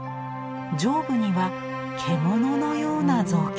上部には獣のような造形が。